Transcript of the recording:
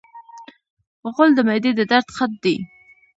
غول د معدې د درد خط دی.